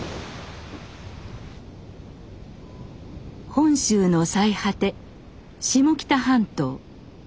本州の最果て下北半島。